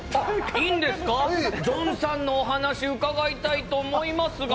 ジョンさんのお話伺いたいと思いますが。